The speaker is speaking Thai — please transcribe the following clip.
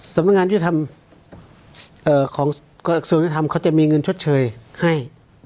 สำนักงานให้ทำของกรอดที่ศูนย์จะมีเงินชดเชยให้